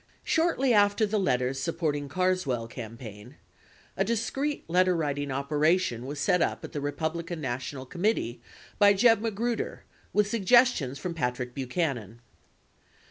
Shortly after the letters supporting Carswell campaign, a discreet letterwriting operation was set up at the Republican National Com mittee by Jeb Magruder with suggestions from Patrick Buchanan.